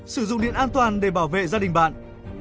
sử dụng điện an toàn để bảo vệ gia đình bạn